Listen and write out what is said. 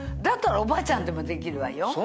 だったらおばあちゃんでもできるわよ。